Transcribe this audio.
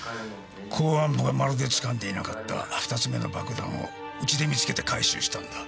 公安部がまるで掴んでいなかった２つ目の爆弾をうちで見つけて回収したんだ。